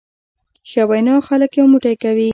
ښه وینا خلک یو موټی کوي.